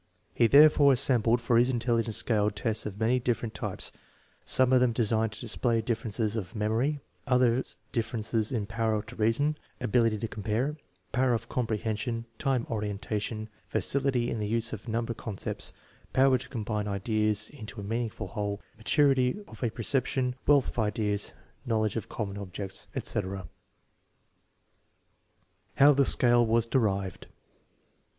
He therefore as sembled for his intelligence scale tests of many different types, some of them designed to display differences of memory, others differences in power to reason, ability to compare, power of comprehension, time orientation, facil ity in the use of number concepts, power to combine ideas into a meaningful whole* the maturity of appercep tion, wealth of ideas, knowledge of common objects etc, How the scale was derived.